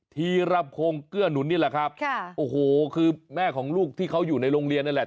ธีรพงศ์เกื้อหนุนนี่แหละครับค่ะโอ้โหคือแม่ของลูกที่เขาอยู่ในโรงเรียนนั่นแหละ